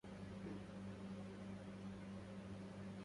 يتوجب على باولا أن تساعدَ أباها في المطبخ.